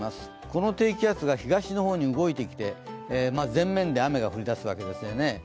この低気圧が東の方に動いてきて前面で雨が降り出すわけですね。